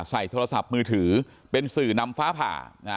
โทรศัพท์มือถือเป็นสื่อนำฟ้าผ่า